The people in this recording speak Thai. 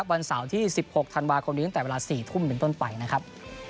วันเสาร์ที่๑๖ธันวาคมนี้ตั้งแต่เวลา๔ทุ่มเป็นต้นไปนะครับ